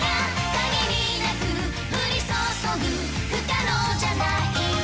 「限りなく降りそそぐ不可能じゃないわ」